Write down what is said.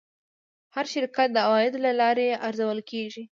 هر شرکت د عوایدو له لارې ارزول کېږي.